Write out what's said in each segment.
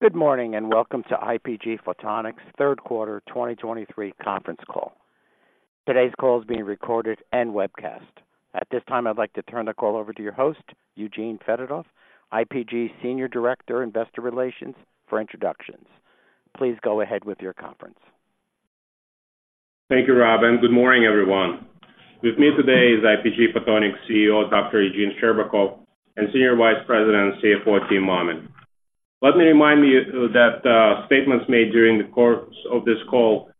Good morning, and welcome to IPG Photonics' third quarter 2023 conference call. Today's call is being recorded and webcast. At this time, I'd like to turn the call over to your host, Eugene Fedotoff, IPG Senior Director, Investor Relations, for introductions. Please go ahead with your conference. Thank you, Rob, and good morning, everyone. With me today is IPG Photonics CEO, Dr. Eugene Scherbakov, and Senior Vice President and CFO, Tim Mammen. Let me remind you that statements made during the course of this call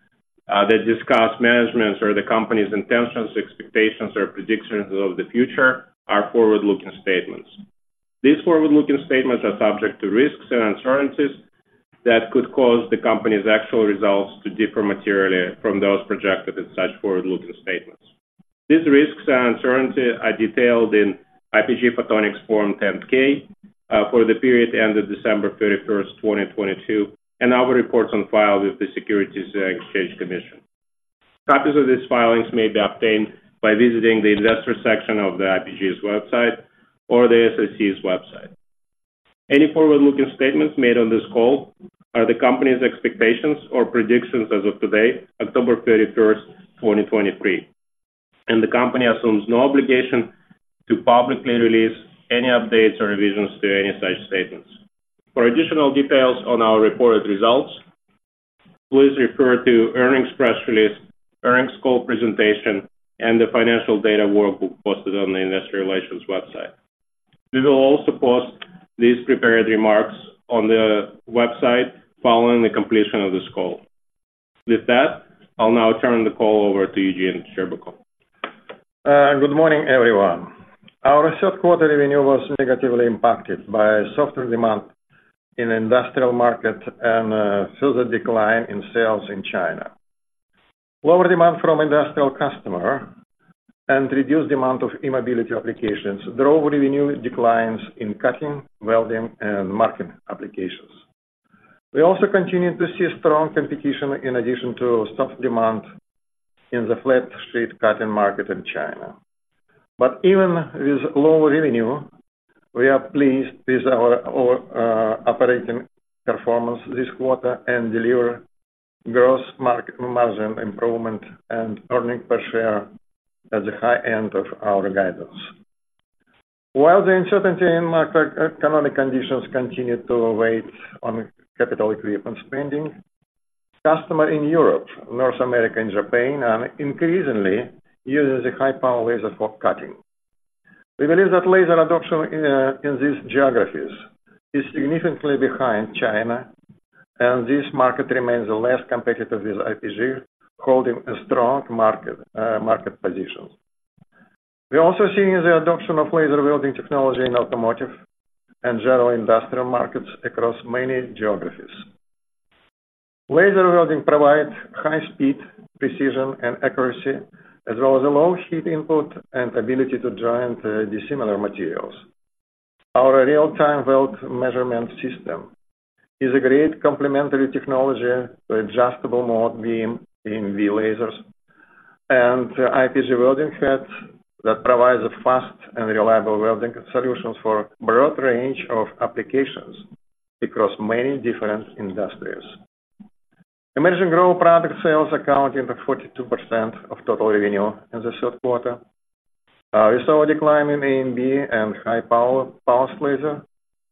that discuss management or the company's intentions, expectations, or predictions of the future are forward-looking statements. These forward-looking statements are subject to risks and uncertainties that could cause the company's actual results to differ materially from those projected in such forward-looking statements. These risks and uncertainties are detailed in IPG Photonics Form 10-K for the period ended December 31, 2022, and our reports on file with the Securities and Exchange Commission. Copies of these filings may be obtained by visiting the investor section of IPG's website or the SEC's website. Any forward-looking statements made on this call are the company's expectations or predictions as of today, October 31st, 2023, and the company assumes no obligation to publicly release any updates or revisions to any such statements. For additional details on our reported results, please refer to earnings press release, earnings call presentation, and the financial data workbook posted on the investor relations website. We will also post these prepared remarks on the website following the completion of this call. With that, I'll now turn the call over to Eugene Scherbakov. Good morning, everyone. Our third quarter revenue was negatively impacted by softer demand in industrial market and further decline in sales in China. Lower demand from industrial customer and reduced demand of E-Mobility applications drove revenue declines in cutting, welding, and marking applications. We also continued to see strong competition in addition to softer demand in the flat sheet cutting market in China. But even with low revenue, we are pleased with our operating performance this quarter and deliver gross margin improvement and earnings per share at the high end of our guidance. While the uncertainty in market economic conditions continue to weigh on capital equipment spending, customer in Europe, North America, and Japan are increasingly using the high-power laser for cutting. We believe that laser adoption in these geographies is significantly behind China, and this market remains less competitive, with IPG holding a strong market position. We're also seeing the adoption of laser welding technology in automotive and general industrial markets across many geographies. Laser welding provides high speed, precision, and accuracy, as well as a low heat input and ability to join dissimilar materials. Our real-time weld measurement system is a great complementary technology to adjustable mode beam in V-lasers and IPG welding heads that provides a fast and reliable welding solutions for broad range of applications across many different industries. Emerging growth product sales accounted for 42% of total revenue in the third quarter. We saw a decline in AMB and high power, pulse laser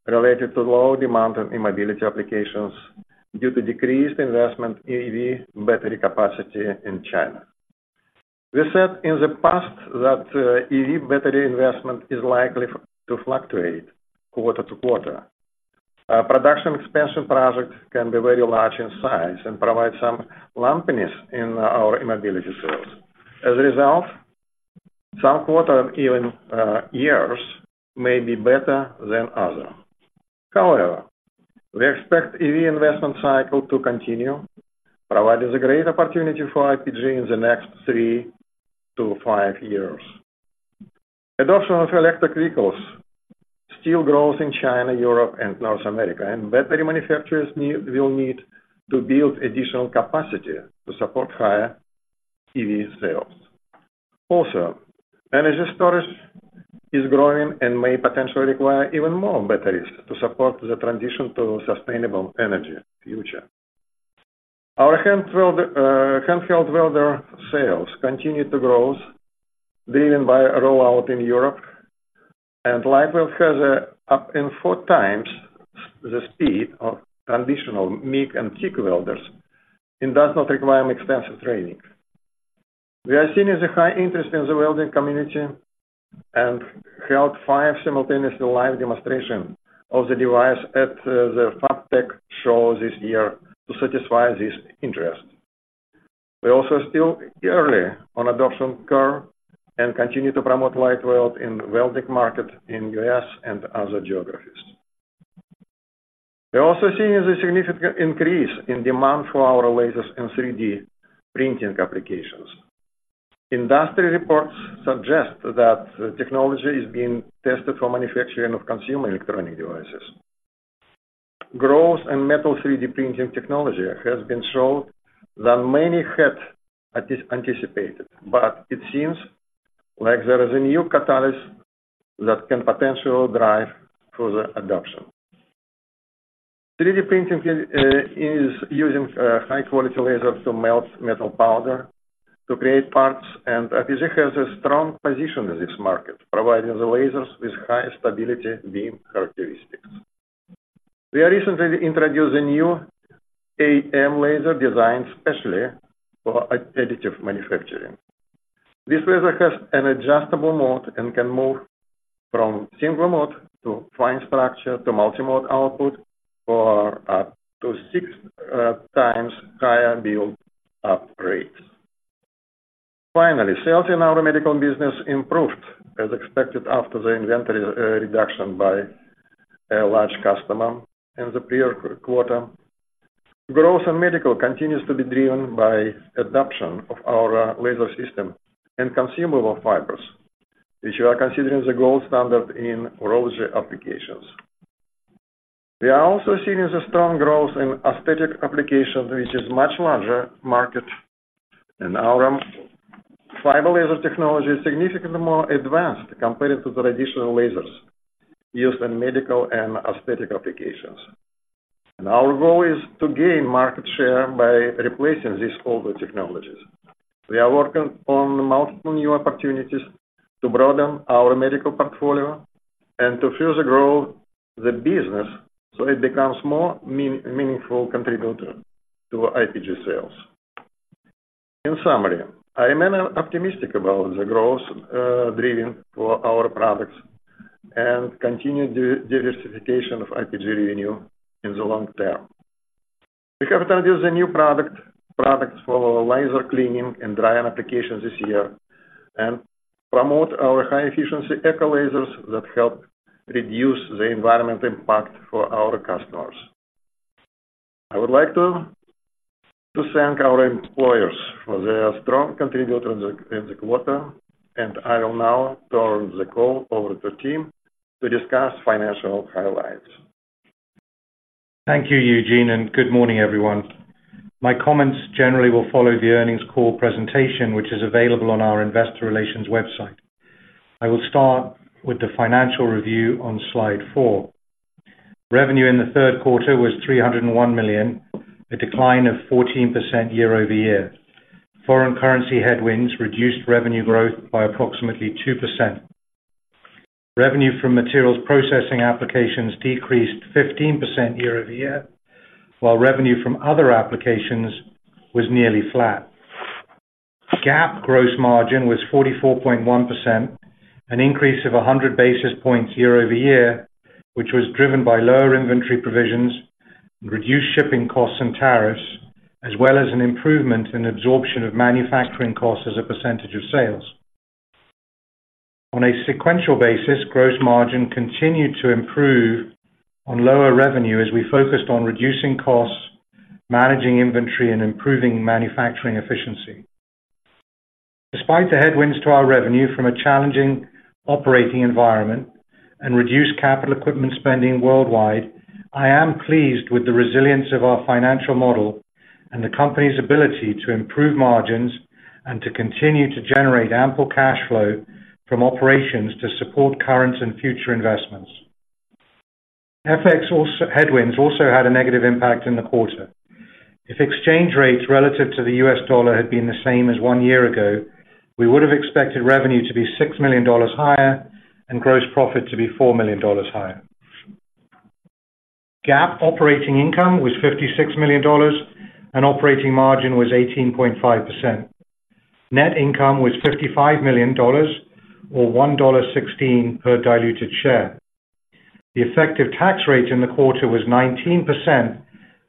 related to lower demand in E-mobility applications due to decreased investment in EV battery capacity in China. We said in the past that EV battery investment is likely to fluctuate quarter to quarter. Production expansion projects can be very large in size and provide some lumpiness in our e-mobility sales. As a result, some quarter and even years may be better than other. However, we expect EV investment cycle to continue, providing the great opportunity for IPG in the next three to five years. Adoption of electric vehicles still grows in China, Europe, and North America, and battery manufacturers will need to build additional capacity to support higher EV sales. Also, energy storage is growing and may potentially require even more batteries to support the transition to sustainable energy future. Our hand weld handheld welder sales continue to grow, driven by a rollout in Europe, and LightWELD has up to 4 times the speed of traditional MIG and TIG welders and does not require extensive training. We are seeing the high interest in the welding community and held 5 simultaneous live demonstration of the device at the FABTECH show this year to satisfy this interest. We're also still early on adoption curve and continue to promote LightWELD in welding market in US and other geographies. We're also seeing a significant increase in demand for our lasers in 3D printing applications. Industry reports suggest that technology is being tested for manufacturing of consumer electronic devices. Growth in metal 3D printing technology has been stronger than many had anticipated, but it seems like there is a new catalyst that can potentially drive further adoption. 3D printing is using high-quality lasers to melt metal powder to create parts, and IPG has a strong position in this market, providing the lasers with high stability beam characteristics. We are recently introduced a new AM laser design, especially for additive manufacturing. This laser has an adjustable mode and can move from single mode to fine structure to multi-mode output for up to 6 times higher build upgrade. Finally, sales in our medical business improved as expected after the inventory reduction by a large customer in the prior quarter. Growth in medical continues to be driven by adoption of our laser system and consumable fibers, which are considered the gold standard in urology applications. We are also seeing the strong growth in aesthetic applications, which is much larger market. Our fiber laser technology is significantly more advanced compared to the traditional lasers used in medical and aesthetic applications. Our goal is to gain market share by replacing these older technologies. We are working on multiple new opportunities to broaden our medical portfolio and to further grow the business so it becomes more meaningful contributor to IPG sales. In summary, I remain optimistic about the growth driven for our products and continued diversification of IPG revenue in the long term. We have introduced a new product, products for laser cleaning and drying applications this year, and promote our high-efficiency e ECO lasers that help reduce the environmental impact for our customers. I would like to thank our employees for their strong contribution in the quarter, and I will now turn the call over to Tim to discuss financial highlights. Thank you, Eugene, and good morning, everyone. My comments generally will follow the earnings call presentation, which is available on our investor relations website. I will start with the financial review on slide four. Revenue in the third quarter was $301 million, a decline of 14% year-over-year. Foreign currency headwinds reduced revenue growth by approximately 2%. Revenue from materials processing applications decreased 15% year-over-year, while revenue from other applications was nearly flat. GAAP gross margin was 44.1%, an increase of 100 basis points year-over-year, which was driven by lower inventory provisions, reduced shipping costs and tariffs, as well as an improvement in absorption of manufacturing costs as a percentage of sales. On a sequential basis, gross margin continued to improve on lower revenue as we focused on reducing costs, managing inventory, and improving manufacturing efficiency. Despite the headwinds to our revenue from a challenging operating environment and reduced capital equipment spending worldwide, I am pleased with the resilience of our financial model and the company's ability to improve margins and to continue to generate ample cash flow from operations to support current and future investments. FX also, headwinds also had a negative impact in the quarter. If exchange rates relative to the U.S. dollar had been the same as one year ago, we would have expected revenue to be $6 million higher and gross profit to be $4 million higher. GAAP operating income was $56 million, and operating margin was 18.5%. Net income was $55 million or $1.16 per diluted share. The effective tax rate in the quarter was 19%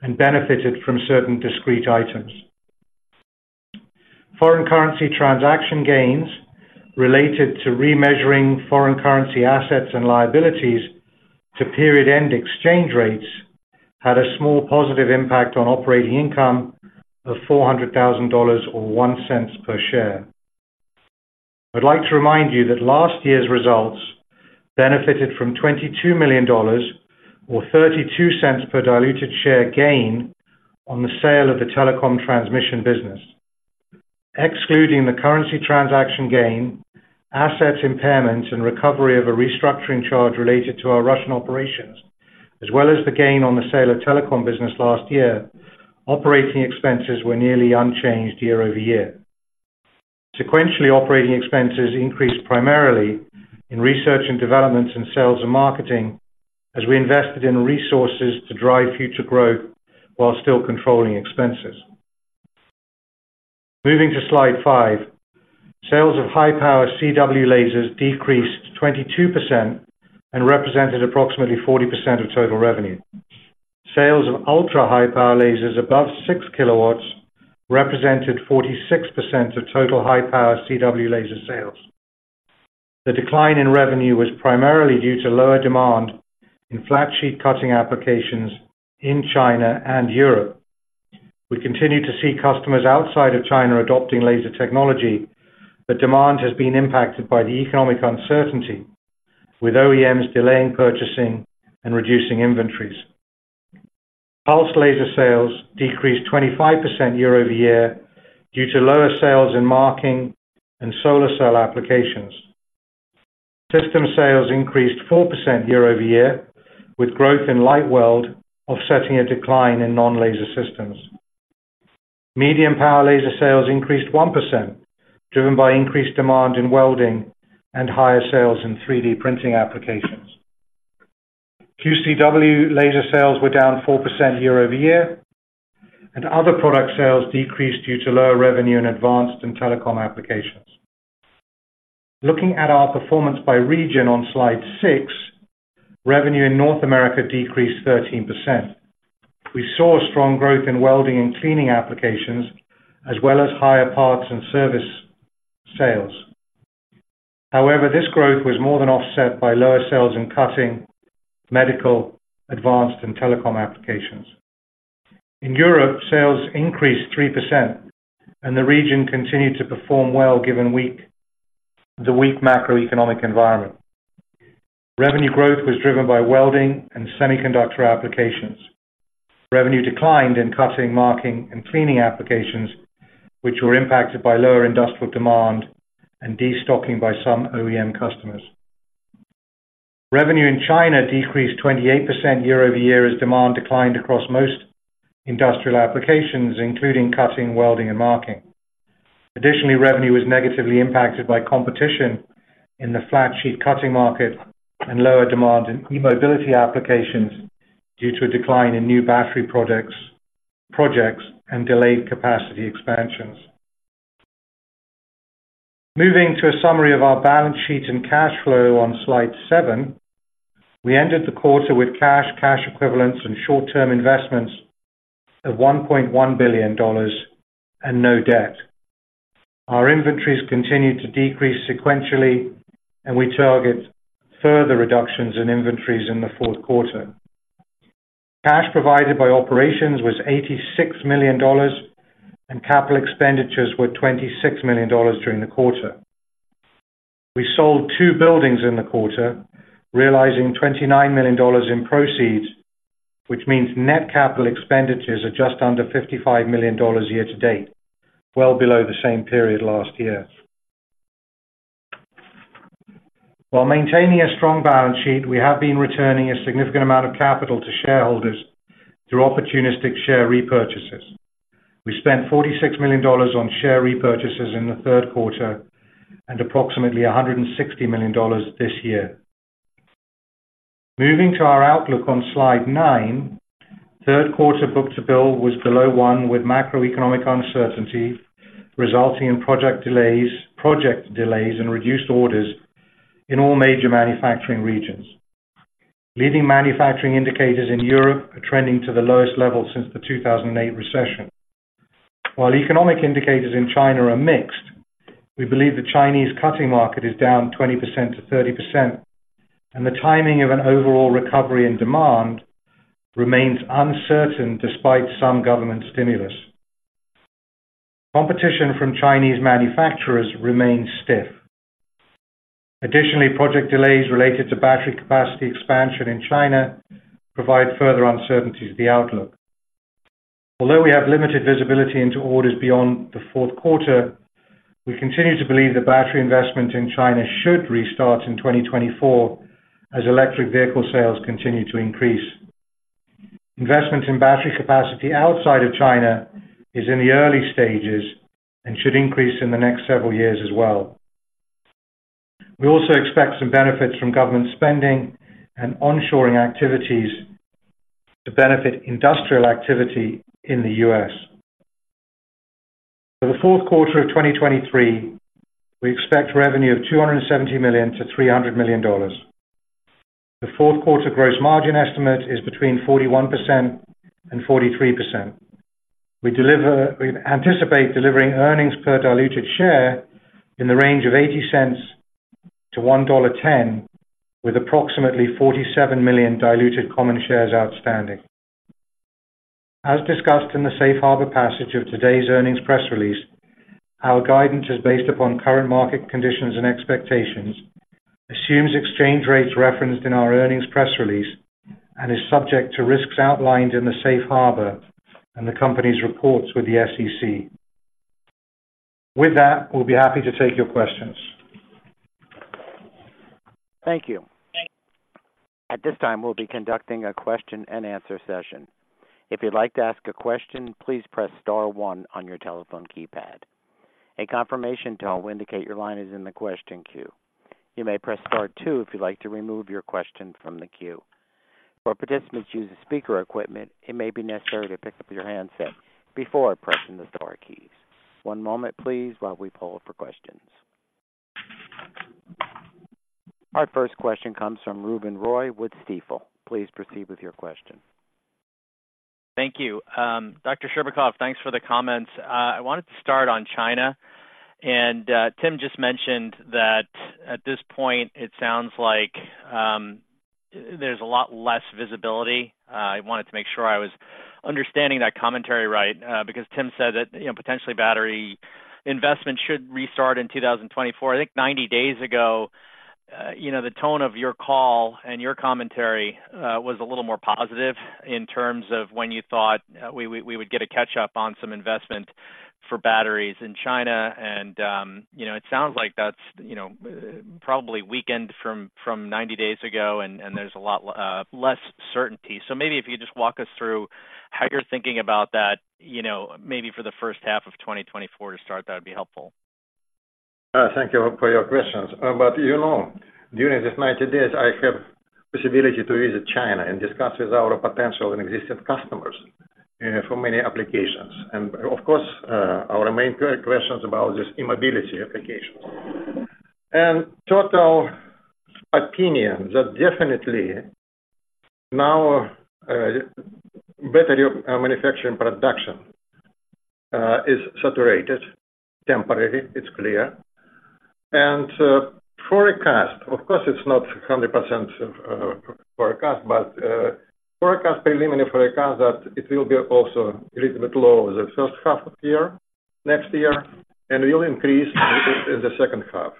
and benefited from certain discrete items. Foreign currency transaction gains related to remeasuring foreign currency assets and liabilities to period-end exchange rates had a small positive impact on operating income of $400,000 or $0.01 per share. I'd like to remind you that last year's results benefited from $22 million or $0.32 per diluted share gain on the sale of the telecom transmission business. Excluding the currency transaction gain, asset impairment, and recovery of a restructuring charge related to our Russian operations, as well as the gain on the sale of telecom business last year, operating expenses were nearly unchanged year-over-year. Sequentially, operating expenses increased primarily in research and development and sales and marketing as we invested in resources to drive future growth while still controlling expenses. Moving to slide five. Sales of high-power CW lasers decreased 22% and represented approximately 40% of total revenue. Sales of ultra-high power lasers above 6 kW represented 46% of total high-power CW laser sales. The decline in revenue was primarily due to lower demand in flat sheet cutting applications in China and Europe. We continue to see customers outside of China adopting laser technology, but demand has been impacted by the economic uncertainty, with OEMs delaying purchasing and reducing inventories. Pulse laser sales decreased 25% year-over-year due to lower sales in marking and solar cell applications. System sales increased 4% year-over-year, with growth in LightWELD offsetting a decline in non-laser systems. Medium power laser sales increased 1%, driven by increased demand in welding and higher sales in 3D printing applications. QCW laser sales were down 4% year-over-year, and other product sales decreased due to lower revenue in advanced and telecom applications. Looking at our performance by region on slide six, revenue in North America decreased 13%. We saw a strong growth in welding and cleaning applications, as well as higher parts and service sales. However, this growth was more than offset by lower sales in cutting, medical, advanced, and telecom applications. In Europe, sales increased 3%, and the region continued to perform well, given the weak macroeconomic environment. Revenue growth was driven by welding and semiconductor applications. Revenue declined in cutting, marking, and cleaning applications, which were impacted by lower industrial demand and destocking by some OEM customers. Revenue in China decreased 28% year-over-year as demand declined across most industrial applications, including cutting, welding, and marking. Additionally, revenue was negatively impacted by competition in the flat sheet cutting market and lower demand in E-mobility applications due to a decline in new battery products, projects and delayed capacity expansions. Moving to a summary of our balance sheet and cash flow on slide seven, we ended the quarter with cash, cash equivalents, and short-term investments of $1.1 billion and no debt. Our inventories continued to decrease sequentially, and we target further reductions in inventories in the fourth quarter. Cash provided by operations was $86 million, and capital expenditures were $26 million during the quarter. We sold two buildings in the quarter, realizing $29 million in proceeds, which means net capital expenditures are just under $55 million year to date, well below the same period last year. While maintaining a strong balance sheet, we have been returning a significant amount of capital to shareholders through opportunistic share repurchases. We spent $46 million on share repurchases in the third quarter and approximately $160 million this year. Moving to our outlook on slide nine, third quarter book-to-bill was below 1, with macroeconomic uncertainty resulting in project delays, project delays and reduced orders in all major manufacturing regions. Leading manufacturing indicators in Europe are trending to the lowest level since the 2008 recession. While economic indicators in China are mixed, we believe the Chinese cutting market is down 20%-30%, and the timing of an overall recovery in demand remains uncertain despite some government stimulus. Competition from Chinese manufacturers remains stiff. Additionally, project delays related to battery capacity expansion in China provide further uncertainty to the outlook. Although we have limited visibility into orders beyond the fourth quarter, we continue to believe that battery investment in China should restart in 2024 as electric vehicle sales continue to increase. Investment in battery capacity outside of China is in the early stages and should increase in the next several years as well. We also expect some benefits from government spending and onshoring activities to benefit industrial activity in the U.S. For the fourth quarter of 2023, we expect revenue of $270 million-$300 million. The fourth quarter gross margin estimate is between 41%-43%. We anticipate delivering earnings per diluted share in the range of $0.80-$1.10, with approximately 47 million diluted common shares outstanding. As discussed in the Safe Harbor passage of today's earnings press release, our guidance is based upon current market conditions and expectations, assumes exchange rates referenced in our earnings press release, and is subject to risks outlined in the Safe Harbor and the company's reports with the SEC. With that, we'll be happy to take your questions. Thank you. At this time, we'll be conducting a question-and-answer session. If you'd like to ask a question, please press star one on your telephone keypad. A confirmation tone will indicate your line is in the question queue. You may press star two if you'd like to remove your question from the queue. For participants use a speaker equipment, it may be necessary to pick up your handset before pressing the star keys. One moment please, while we poll for questions. Our first question comes from Ruben Roy with Stifel. Please proceed with your question. Thank you. Dr. Scherbakov, thanks for the comments. I wanted to start on China, and Tim just mentioned that at this point, it sounds like there's a lot less visibility. I wanted to make sure I was understanding that commentary right, because Tim said that, you know, potentially battery investment should restart in 2024. I think 90 days ago, you know, the tone of your call and your commentary was a little more positive in terms of when you thought we would get a catch up on some investment for batteries in China. And you know, it sounds like that's, you know, probably weakened from 90 days ago, and there's a lot less certainty. So maybe if you could just walk us through how you're thinking about that, you know, maybe for the first half of 2024 to start, that'd be helpful. Thank you for your questions. But, you know, during this 90 days, I have possibility to visit China and discuss with our potential and existing customers for many applications. And of course, our main questions about this E-Mobility applications. And total opinion that definitely now, battery manufacturing production is saturated temporarily, it's clear. And forecast, of course, it's not 100% forecast, but forecast, preliminary forecast that it will be also a little bit low the first half of the year, next year, and will increase in the second half.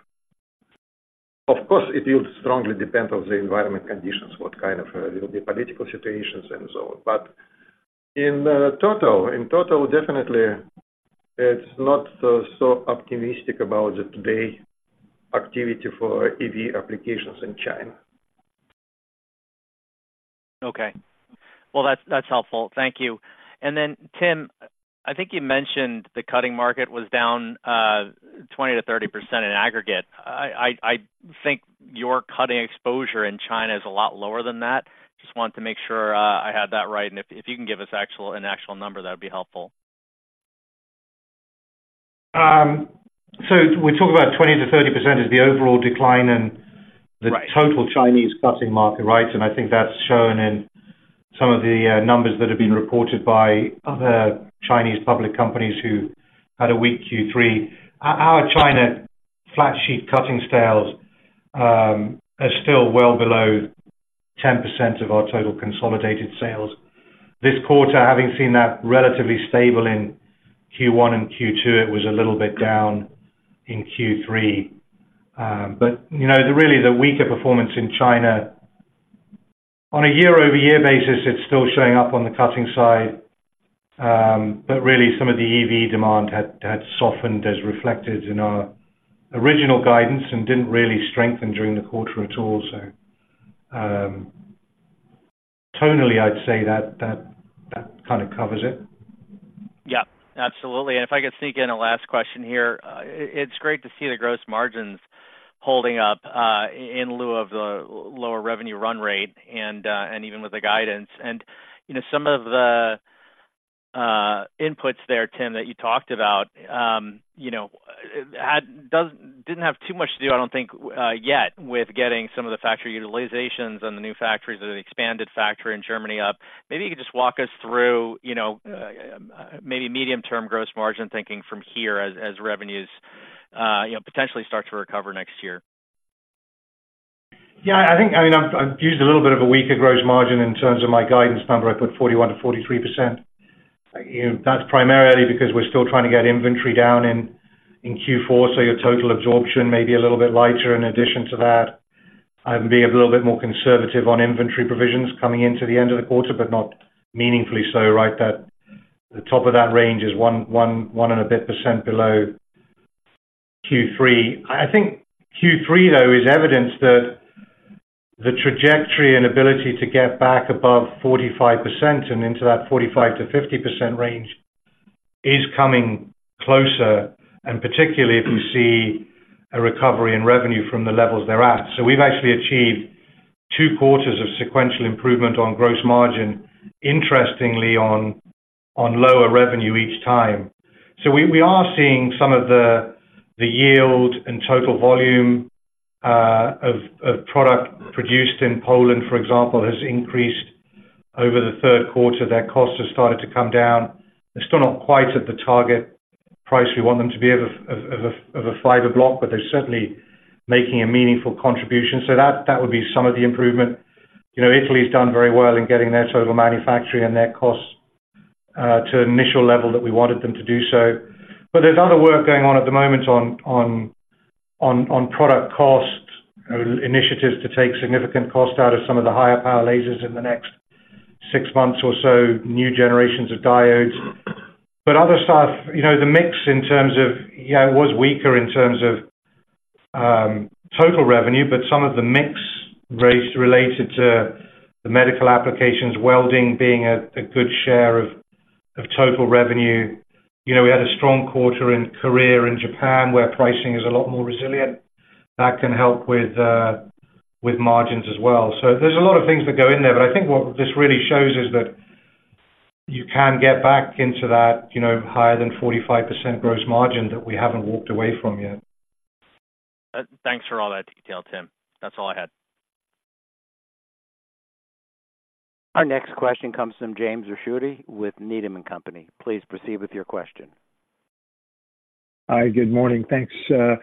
Of course, it will strongly depend on the environment conditions, what kind of will be political situations and so on. But in total, in total, definitely it's not so, so optimistic about the today activity for EV applications in China. Okay. Well, that's helpful. Thank you. And then, Tim, I think you mentioned the cutting market was down 20%-30% in aggregate. I think your cutting exposure in China is a lot lower than that. Just wanted to make sure I had that right. And if you can give us an actual number, that would be helpful. So we talk about 20%-30% is the overall decline in- Right. The total Chinese cutting market, right? And I think that's shown in some of the numbers that have been reported by other Chinese public companies who had a weak Q3. Our China flat sheet cutting sales are still well below 10% of our total consolidated sales. This quarter, having seen that relatively stable in Q1 and Q2, it was a little bit down in Q3. But you know, really, the weaker performance in China on a year-over-year basis, it's still showing up on the cutting side. But really some of the EV demand had softened, as reflected in our original guidance and didn't really strengthen during the quarter at all. So, tonally, I'd say that kind of covers it. Yeah, absolutely. And if I could sneak in a last question here. It's great to see the gross margins holding up, in lieu of the lower revenue run rate and even with the guidance. And, you know, some of the inputs there, Tim, that you talked about, you know, didn't have too much to do, I don't think, yet, with getting some of the factory utilizations and the new factories or the expanded factory in Germany up. Maybe you could just walk us through, you know, maybe medium-term gross margin thinking from here as revenues, you know, potentially start to recover next year. Yeah, I think, I mean, I've used a little bit of a weaker gross margin in terms of my guidance number. I put 41%-43%. You know, that's primarily because we're still trying to get inventory down in Q4, so your total absorption may be a little bit lighter. In addition to that, I'm being a little bit more conservative on inventory provisions coming into the end of the quarter, but not meaningfully so, right? That the top of that range is 1.1 and a bit% below Q3. I think Q3, though, is evidence that the trajectory and ability to get back above 45% and into that 45%-50% range is coming closer, and particularly if we see a recovery in revenue from the levels they're at. So we've actually achieved two quarters of sequential improvement on gross margin, interestingly, on, on lower revenue each time. So we are seeing some of the, the yield and total volume of product produced in Poland, for example, has increased over the third quarter. Their costs have started to come down. They're still not quite at the target price we want them to be of a fiber block, but they're certainly making a meaningful contribution. So that would be some of the improvement. You know, Italy's done very well in getting their total manufacturing and their costs to an initial level that we wanted them to do so. But there's other work going on at the moment on product cost initiatives to take significant cost out of some of the higher power lasers in the next six months or so, new generations of diodes. But other stuff, you know, the mix in terms of, yeah, it was weaker in terms of total revenue, but some of the mix was related to the medical applications, welding being a good share of total revenue. You know, we had a strong quarter in Korea and Japan, where pricing is a lot more resilient. That can help with margins as well. So there's a lot of things that go in there, but I think what this really shows is that you can get back into that, you know, higher than 45% gross margin that we haven't walked away from yet. Thanks for all that detail, Tim. That's all I had. Our next question comes from James Ricchiuti with Needham & Company. Please proceed with your question. Hi, good morning. Thanks. I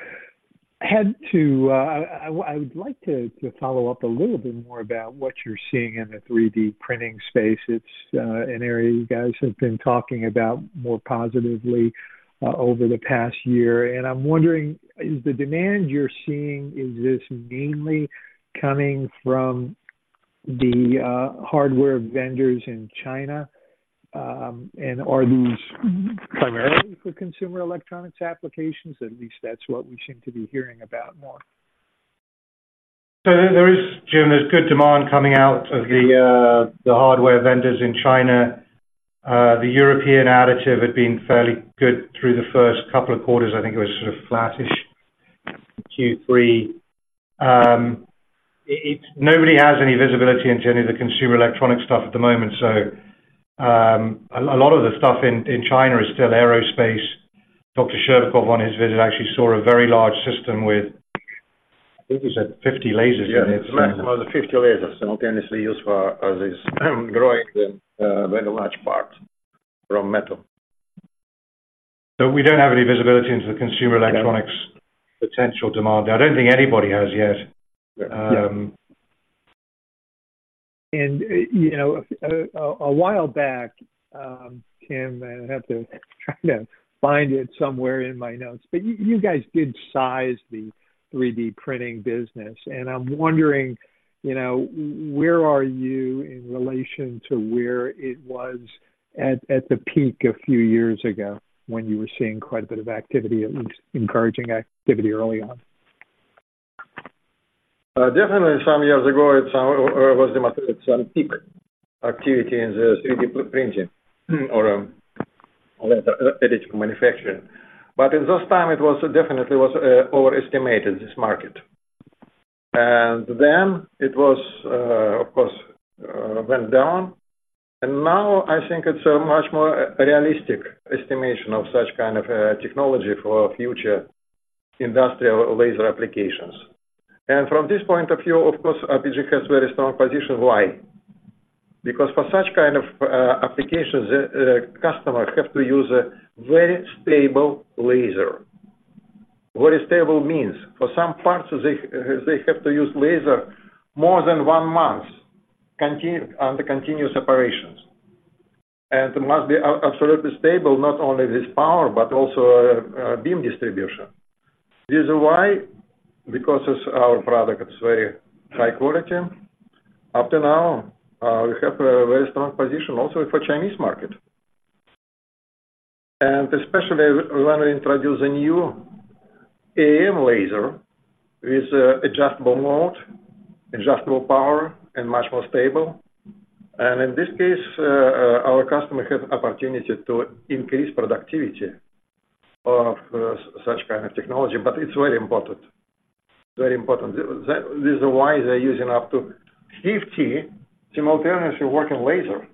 would like to follow up a little bit more about what you're seeing in the 3D printing space. It's an area you guys have been talking about more positively over the past year, and I'm wondering, is the demand you're seeing, is this mainly coming from the hardware vendors in China, and are these primarily for consumer electronics applications? At least that's what we seem to be hearing about more. So there is, Jim, there's good demand coming out of the hardware vendors in China. The European attitude had been fairly good through the first couple of quarters. I think it was sort of flattish Q3. Nobody has any visibility into any of the consumer electronic stuff at the moment, so a lot of the stuff in China is still aerospace. Dr. Scherbakov, on his visit, actually saw a very large system with, I think he said, 50 lasers. Yes, maximum of 50 lasers simultaneously used for, as is growing the very large part from metal. So we don't have any visibility into the consumer electronics potential demand. I don't think anybody has yet. Yeah. You know, a while back, Tim, I have to try to find it somewhere in my notes, but you guys did size the 3D printing business. I'm wondering, you know, where are you in relation to where it was at the peak a few years ago when you were seeing quite a bit of activity, at least encouraging activity early on? Definitely some years ago, it was demonstrated some peak activity in the 3D printing or additive manufacturing. But in those time, it was definitely overestimated, this market. And then it was, of course, went down, and now I think it's a much more realistic estimation of such kind of, technology for future industrial laser applications. And from this point of view, of course, IPG has very strong position. Why? Because for such kind of, applications, the customer have to use a very stable laser. Very stable means for some parts, they have to use laser more than one month, continuous operations. And must be absolutely stable, not only this power, but also, beam distribution. This is why. Because it's our product, it's very high quality. Up to now, we have a very strong position also for Chinese market. Especially, we want to introduce a new AM laser with adjustable mode, adjustable power, and much more stable. In this case, our customer have opportunity to increase productivity of such kind of technology. But it's very important, very important. This is why they're using up to 50 simultaneously working laser.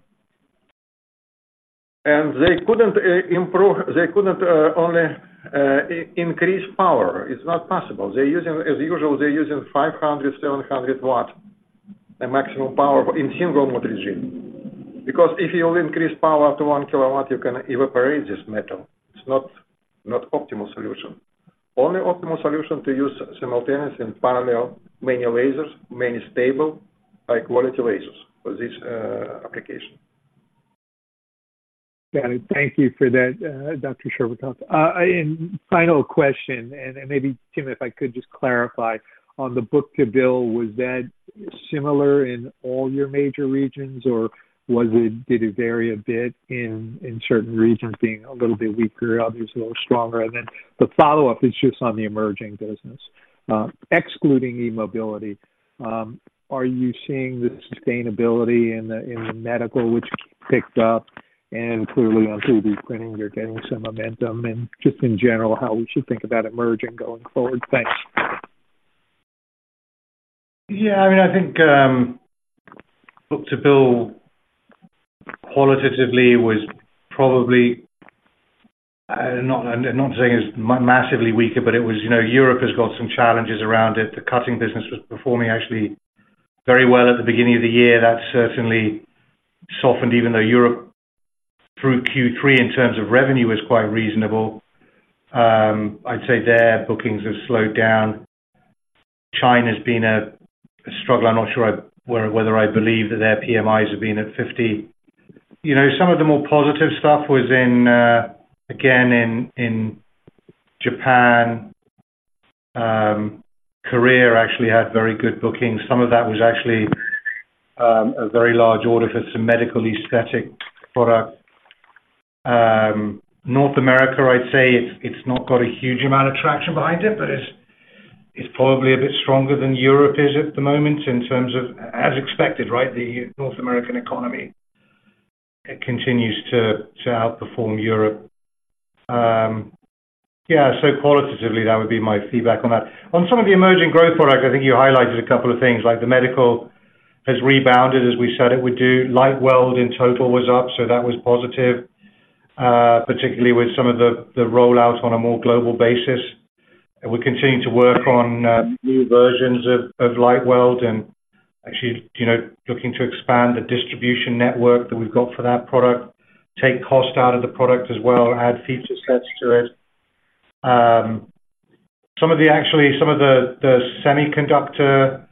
And they couldn't improve. They couldn't only increase power. It's not possible. They're using, as usual, they're using 500-700 W, the maximum power in single-mode regime. Because if you increase power up to 1 kW, you can evaporate this metal. It's not optimal solution. Only optimal solution to use simultaneously in parallel, many lasers, many stable, high-quality lasers for this application. Got it. Thank you for that, Dr. Scherbakov. And final question, and maybe, Tim, if I could just clarify. On the book-to-bill, was that similar in all your major regions, or was it, did it vary a bit in certain regions being a little bit weaker, others a little stronger? And then the follow-up is just on the emerging business. Excluding e-mobility, are you seeing the sustainability in the medical, which picked up? And clearly on 3D printing, you're getting some momentum. And just in general, how we should think about emerging going forward? Thanks. Yeah, I mean, I think, book-to-bill qualitatively was probably not saying it's massively weaker, but it was, you know, Europe has got some challenges around it. The cutting business was performing actually very well at the beginning of the year. That certainly softened, even though Europe, through Q3, in terms of revenue, is quite reasonable. I'd say their bookings have slowed down. China's been a struggle. I'm not sure whether I believe that their PMIs have been at 50. You know, some of the more positive stuff was in, again, in Japan. Korea actually had very good bookings. Some of that was actually a very large order for some medical aesthetic product. North America, I'd say it's not got a huge amount of traction behind it, but it's probably a bit stronger than Europe is at the moment in terms of... As expected, right? The North American economy, it continues to outperform Europe. Yeah, so qualitatively, that would be my feedback on that. On some of the emerging growth products, I think you highlighted a couple of things, like the medical has rebounded, as we said it would do. LightWELD in total was up, so that was positive, particularly with some of the rollout on a more global basis. And we're continuing to work on new versions of LightWELD and actually, you know, looking to expand the distribution network that we've got for that product, take cost out of the product as well, add feature sets to it. Actually, some of the semiconductor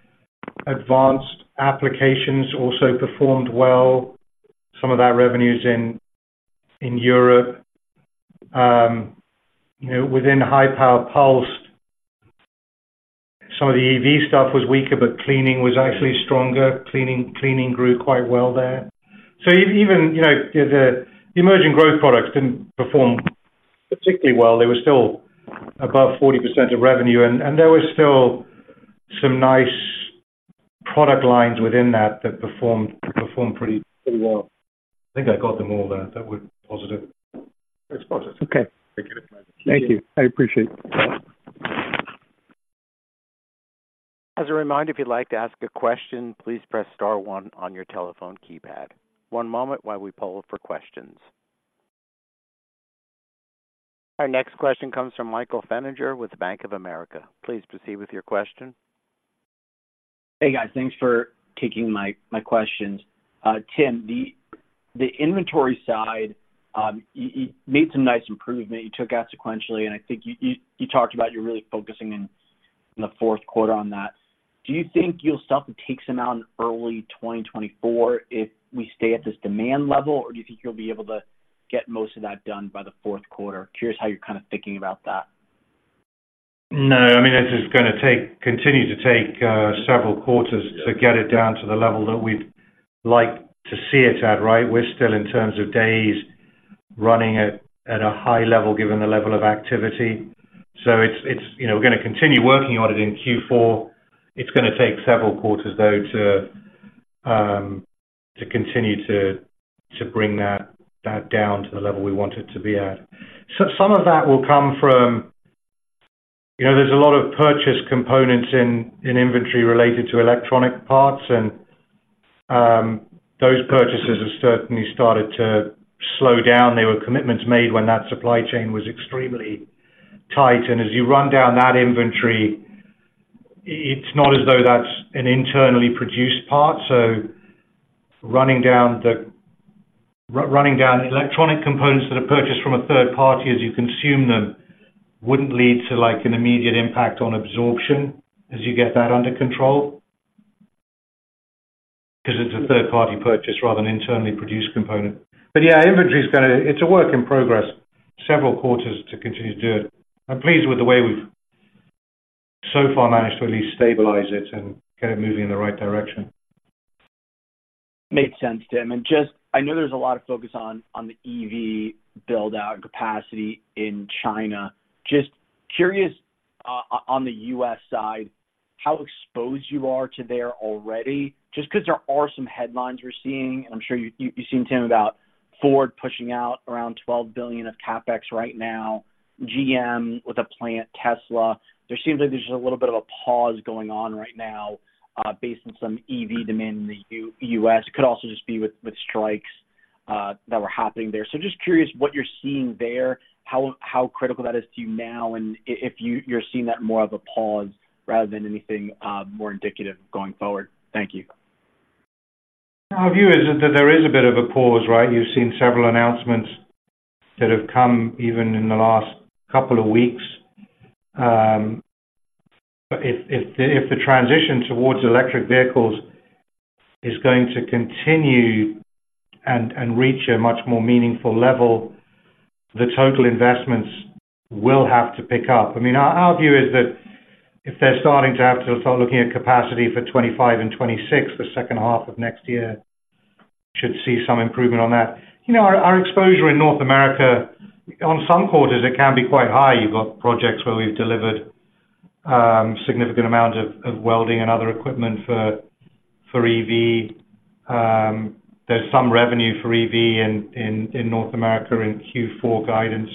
advanced applications also performed well, some of our revenues in Europe. You know, within high power pulsed, some of the EV stuff was weaker, but cleaning was actually stronger. Cleaning grew quite well there. So even, you know, the emerging growth products didn't perform particularly well. They were still above 40% of revenue, and there were still some nice product lines within that that performed pretty well. I think I got them all there. That was positive. Okay. Thank you. Thank you. I appreciate it. As a reminder, if you'd like to ask a question, please press star one on your telephone keypad. One moment while we poll for questions. Our next question comes from Michael Feniger, with Bank of America. Please proceed with your question. Hey, guys. Thanks for taking my questions. Tim, the inventory side, you made some nice improvement. You took out sequentially, and I think you talked about you're really focusing in the fourth quarter on that. Do you think you'll still have to take some out in early 2024 if we stay at this demand level? Or do you think you'll be able to get most of that done by the fourth quarter? Curious how you're kind of thinking about that. No, I mean, this is gonna take... continue to take several quarters to get it down to the level that we'd like to see it at, right? We're still, in terms of days, running at a high level, given the level of activity. So it's, you know, we're gonna continue working on it in Q4. It's gonna take several quarters, though, to continue to bring that down to the level we want it to be at. So some of that will come from... You know, there's a lot of purchase components in inventory related to electronic parts, and those purchases have certainly started to slow down. There were commitments made when that supply chain was extremely tight, and as you run down that inventory, it's not as though that's an internally produced part. So running down electronic components that are purchased from a third party as you consume them, wouldn't lead to, like, an immediate impact on absorption as you get that under control. Because it's a third-party purchase rather than internally produced component. But yeah, inventory is gonna, it's a work in progress, several quarters to continue to do it. I'm pleased with the way we've so far managed to at least stabilize it and get it moving in the right direction. Makes sense, Tim. And just I know there's a lot of focus on the EV build-out capacity in China. Just curious, on the U.S. side, how exposed you are to there already, just because there are some headlines we're seeing, and I'm sure you've seen, Tim, about Ford pushing out around $12 billion of CapEx right now, GM with a plant, Tesla. There seems like there's a little bit of a pause going on right now, based on some EV demand in the U.S. It could also just be with strikes that were happening there. So just curious what you're seeing there, how critical that is to you now, and if you're seeing that more of a pause rather than anything more indicative going forward. Thank you. Our view is that there is a bit of a pause, right? You've seen several announcements that have come even in the last couple of weeks. But if the transition towards electric vehicles is going to continue and reach a much more meaningful level, the total investments will have to pick up. I mean, our view is that if they're starting to have to start looking at capacity for 25 and 26, the second half of next year should see some improvement on that. You know, our exposure in North America, on some quarters, it can be quite high. You've got projects where we've delivered significant amount of welding and other equipment for EV. There's some revenue for EV in North America in Q4 guidance,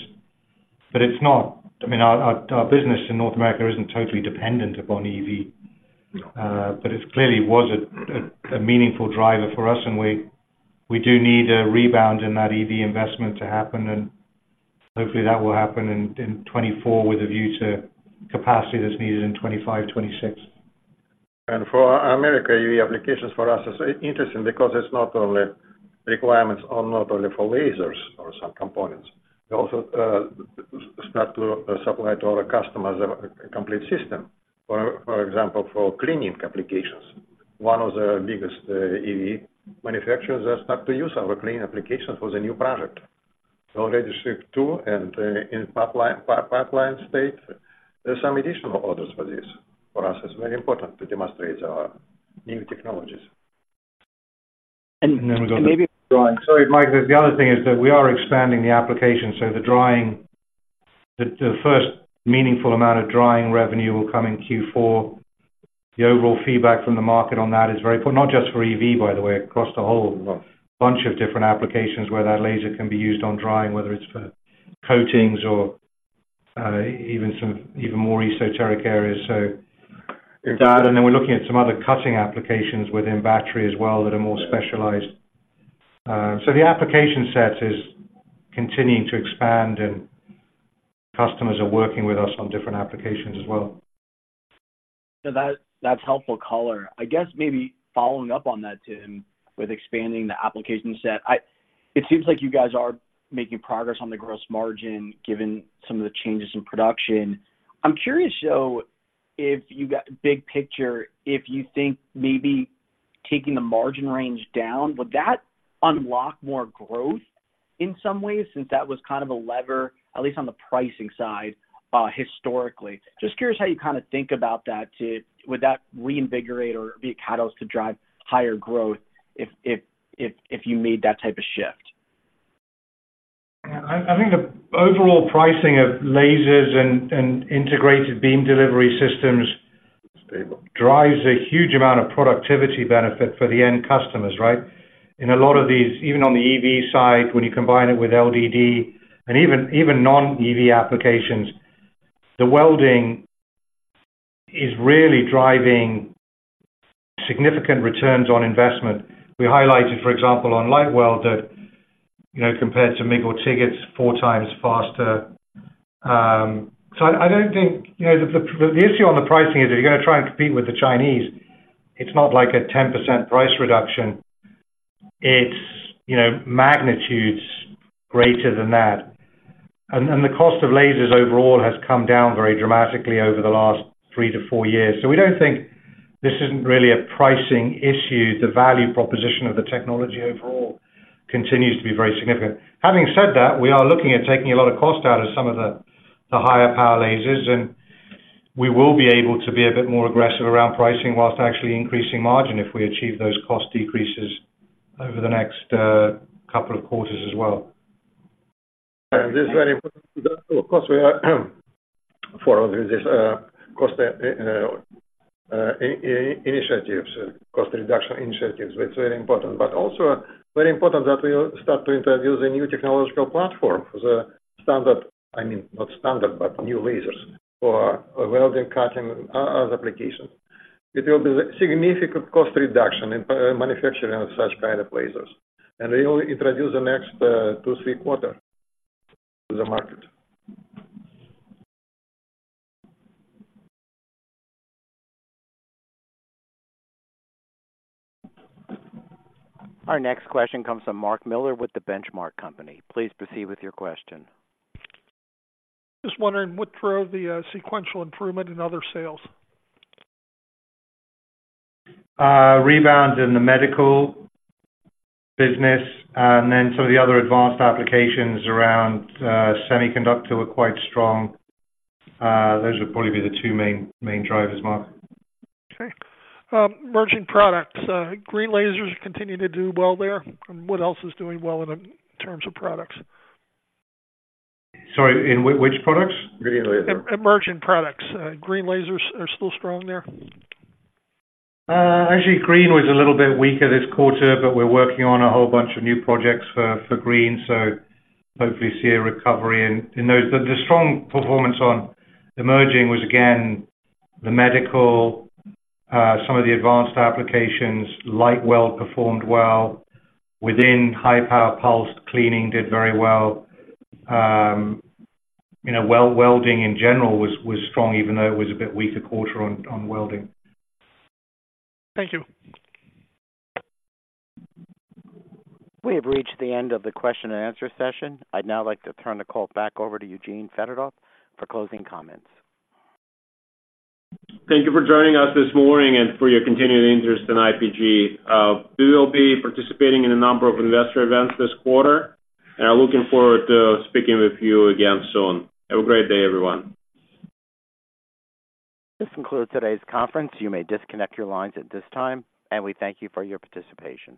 but it's not, I mean, our business in North America isn't totally dependent upon EV, but it clearly was a meaningful driver for us, and we do need a rebound in that EV investment to happen, and hopefully, that will happen in 2024 with a view to capacity that's needed in 2025, 2026. For America, EV applications for us is interesting because it's not only requirements or not only for lasers or some components. They also start to supply to our customers a complete system. For example, for cleaning applications. One of the biggest EV manufacturers have started to use our cleaning application for the new product. So already shipped two, and in pipeline state, there's some additional orders for this. For us, it's very important to demonstrate our new technologies. And then we've got... And maybe- Sorry, Michael. The other thing is that we are expanding the application, so the drying, the first meaningful amount of drying revenue will come in Q4. The overall feedback from the market on that is very poor. Not just for EV, by the way, across the whole bunch of different applications where that laser can be used on drying, whether it's for coatings or, even some more esoteric areas. So with that, and then we're looking at some other cutting applications within battery as well, that are more specialized. So the application set is continuing to expand, and customers are working with us on different applications as well. So, that's helpful color. I guess maybe following up on that, Tim, with expanding the application set, it seems like you guys are making progress on the gross margin, given some of the changes in production. I'm curious, though, if you got big picture, if you think maybe taking the margin range down would that unlock more growth in some ways, since that was kind of a lever, at least on the pricing side, historically? Just curious how you kind of think about that too. Would that reinvigorate or be a catalyst to drive higher growth if you made that type of shift? I think the overall pricing of lasers and integrated beam delivery systems drives a huge amount of productivity benefit for the end customers, right? In a lot of these, even on the EV side, when you combine it with LDD and even non-EV applications, the welding is really driving significant returns on investment. We highlighted, for example, on LightWELD that, you know, compared to MIG or TIG, it's 4 times faster. So I don't think, you know, the issue on the pricing is, if you're gonna try and compete with the Chinese, it's not like a 10% price reduction. It's, you know, magnitudes greater than that. And the cost of lasers overall has come down very dramatically over the last 3-4 years. So we don't think this isn't really a pricing issue. The value proposition of the technology overall continues to be very significant. Having said that, we are looking at taking a lot of cost out of some of the, the higher power lasers, and we will be able to be a bit more aggressive around pricing while actually increasing margin, if we achieve those cost decreases over the next couple of quarters as well. This is very important. Of course, we are, for this, cost, initiatives, cost reduction initiatives, it's very important. But also very important that we start to introduce a new technological platform. The standard, I mean, not standard, but new lasers for welding, cutting, other applications. It will be significant cost reduction in, manufacturing of such kind of lasers, and we will introduce the next, 2, 3 quarter to the market. Our next question comes from Mark Miller with The Benchmark Company. Please proceed with your question. Just wondering what drove the sequential improvement in other sales? Rebound in the medical business, and then some of the other advanced applications around semiconductor were quite strong. Those would probably be the two main drivers, Mark. Okay. Emerging products, green lasers continue to do well there? And what else is doing well in terms of products? Sorry, in which products? Green lasers. Emerging products. Green lasers are still strong there? Actually, green was a little bit weaker this quarter, but we're working on a whole bunch of new projects for green, so hopefully see a recovery in those. But the strong performance on emerging was, again, the medical, some of the advanced applications, LightWELD performed well. Within high power pulse, cleaning did very well. You know, well, welding, in general, was strong, even though it was a bit weaker quarter on welding. Thank you. We have reached the end of the question and answer session. I'd now like to turn the call back over to Eugene Fedotoff for closing comments. Thank you for joining us this morning and for your continued interest in IPG. We will be participating in a number of investor events this quarter, and are looking forward to speaking with you again soon. Have a great day, everyone. This concludes today's conference. You may disconnect your lines at this time, and we thank you for your participation.